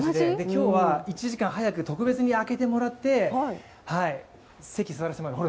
今日は１時間早く特別に開けてもらって、席に座らせてもらいます。